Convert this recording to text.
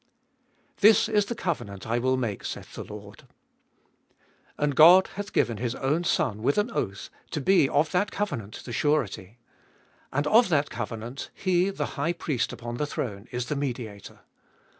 This is the covenant I will make, saith the Lord. And God hath given His own Son with an oath to be of that coven ant the surety ! And of that covenant He, the High Priest upon the throne, is the Mediator